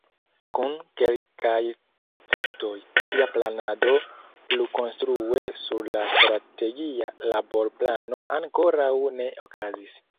Kun kelkaj esceptoj, tia planado plukonstrue sur la Strategia Laborplano ankoraŭ ne okazis.